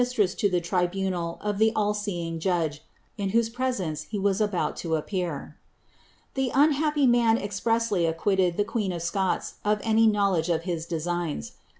25 tress to the tribunal of the all seeing Judge, in whose presence he was ibont to appear.' The iinhapp7 man expressly acquitted the qneen of Scots of any knowledge of his designs.